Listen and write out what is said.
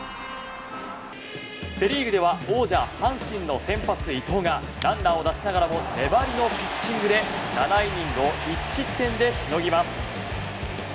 セ・リーグでは王者・阪神の先発、伊藤がランナーを出しながらも粘りのピッチングで７イニングを１失点でしのぎます。